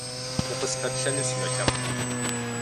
Укъыспэплъэну сынолъэӏу.